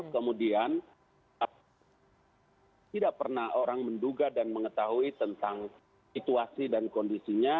kemudian tidak pernah orang menduga dan mengetahui tentang situasi dan kondisinya